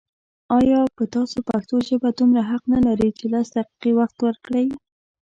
آيا په تاسو پښتو ژبه دومره حق نه لري چې لس دقيقې وخت ورکړئ